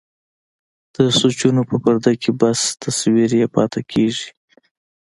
د سوچونو په پرده کې بس تصوير يې پاتې کيږي.